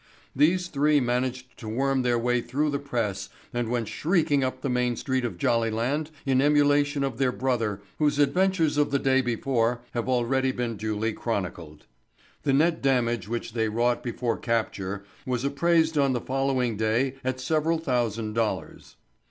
These three managed to worm their way through the press and went shrieking up the main street of Jollyland in emulation of their brother whose adventures of the day before have already been duly chronicled. The net damage which they wrought before capture was appraised on the following day at several thousand dollars.